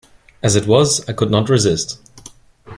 As it was I could not resist.